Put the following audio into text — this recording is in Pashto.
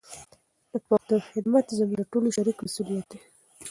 د پښتو خدمت زموږ د ټولو شریک مسولیت دی.